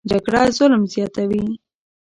جګړه ظلم زیاتوي